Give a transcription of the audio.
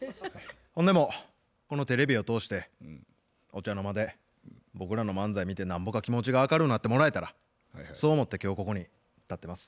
ほんでもこのテレビを通してお茶の間で僕らの漫才見てなんぼか気持ちが明るうなってもらえたらそう思って今日ここに立ってます。